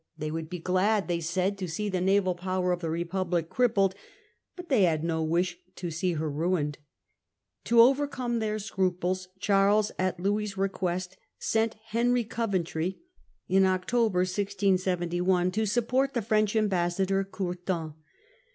They would be glad, they said, to see the naval power of the Republic crippled, but they had no wish to see her ruined. To overcome their scruples, Charles, at Louis's request, sent Henry Coventry in October 1671 to support the French ambassador, Courtin.